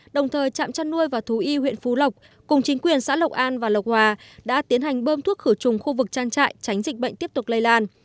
đồng thời trạm chăn nuôi và thú y huyện phú lộc cùng chính quyền xã lộc an và lộc hòa đã tiến hành bơm thuốc khử trùng khu vực trang trại tránh dịch bệnh tiếp tục lây lan